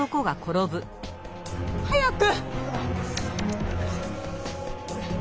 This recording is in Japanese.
早く！